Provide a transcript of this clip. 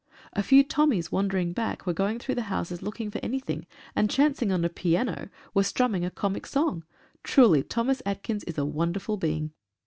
A few Tommies wandering back were going through the houses looking for anything and chancing on a piano, were strumming a comic song. Truly Thomas Atkins is a wonderful being.